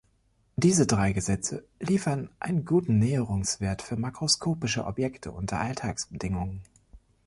Diese drei Gesetze liefern einen guten Näherungswert für makroskopische Objekte unter Alltagsbedingungen.